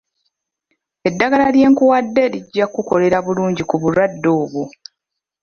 Eddagala lye nkuwadde lijja kukolera bulungi ku bulwadde obwo.